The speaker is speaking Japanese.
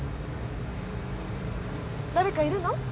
誰かいるの？